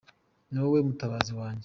Ni wowe mutabazi wanjye